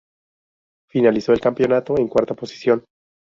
Finalizó el campeonato en cuarta posición.